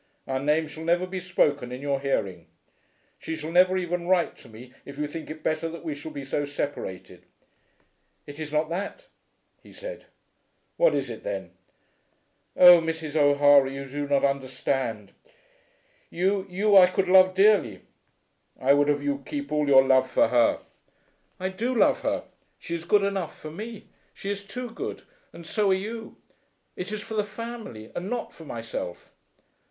Our name shall never be spoken in your hearing. She shall never even write to me if you think it better that we shall be so separated." "It is not that," he said. "What is it, then?" "Oh, Mrs. O'Hara, you do not understand. You, you I could love dearly." "I would have you keep all your love for her." "I do love her. She is good enough for me. She is too good; and so are you. It is for the family, and not for myself."